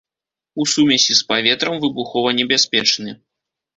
У сумесі з паветрам выбухованебяспечны.